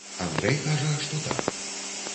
Андрэй кажа, што так.